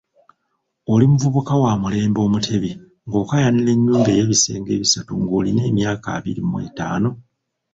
Oli muvubuka wa mulembe Omutebi ng'okaayanira nnyumba ey'ebisenge ebisatu ng'olina emyaka abiri mu etaano.